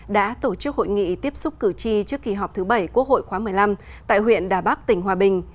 đã tổ chức hội nghị tiếp xúc cử tri trước kỳ họp thứ bảy quốc hội khóa một mươi năm tại huyện đà bắc tỉnh hòa bình